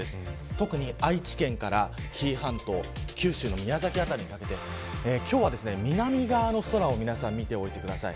特に、愛知県から紀伊半島九州の宮崎辺りにかけて今日は南側の空を皆さん、見ておいてください。